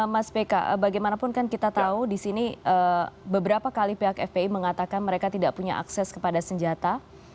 mas pk bagaimanapun kan kita tahu di sini beberapa kali pihak fpi mengatakan mereka tidak punya akses kepada senjata